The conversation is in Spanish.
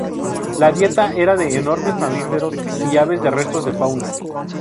La dieta era de enormes mamíferos y aves de restos de fauna.